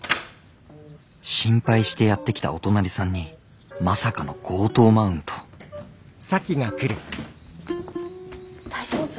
心配してやって来たお隣さんにまさかの強盗マウント大丈夫？